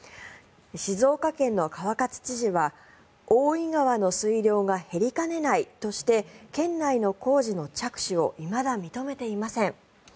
静岡県の川勝知事は大井川の水量が減りかねないとして県内の工事の着手をいまだ認めていません。